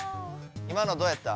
今のどうやった？